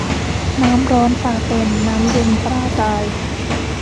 น้ำร้อนปลาเป็น น้ำเย็นปลาตาย